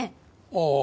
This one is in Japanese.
ああ。